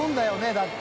だって。